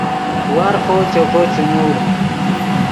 وارفو چوکو چے نوڑ